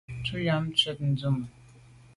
Tu am tshwèt ndume.